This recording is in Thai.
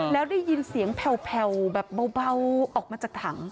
แล้วได้ยินเสียงแผ่วแบบเบาออกมาจากถัง